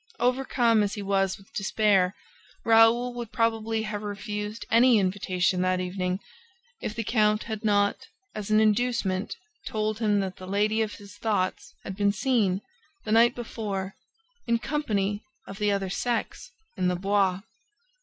Overcome as he was with despair, Raoul would probably have refused any invitation that evening, if the count had not, as an inducement, told him that the lady of his thoughts had been seen, the night before, in company of the other sex in the Bois.